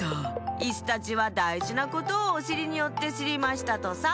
イスたちはだいじなことをおしりによってしりましたとさ」。